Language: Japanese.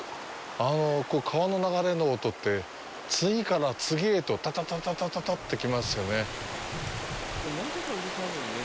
川の流れの音って、次から次へと、タタタタタタタッて来ますよね。